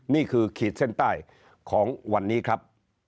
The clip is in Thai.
นี่คือขีดเส้นใต้ของวันนี้ครับ